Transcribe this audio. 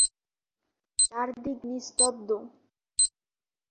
তিনি রিয়াজ-উদ-দ্বীন নামেও পরিচিত।